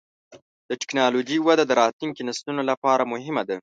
د ټکنالوجۍ وده د راتلونکي نسلونو لپاره مهمه ده.